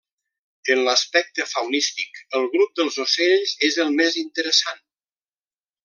En l'aspecte faunístic, el grup dels ocells és el més interessant.